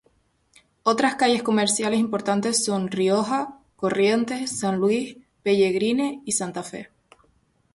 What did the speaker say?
Otras calles comerciales importantes son: Rioja, Corrientes, San Luis, Pellegrini y Santa Fe.